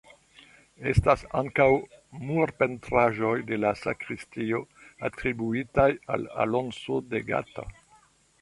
Estas ankaŭ murpentraĵoj de la sakristio atribuitaj al Alonso de Gata.